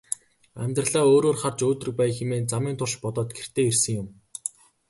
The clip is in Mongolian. Амьдралаа өөрөөр харж өөдрөг байя хэмээн замын турш бодоод гэртээ ирсэн юм.